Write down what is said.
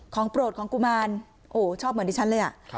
ของโปรดของกุมารโอ้ชอบเหมือนดิฉันเลยอ่ะครับ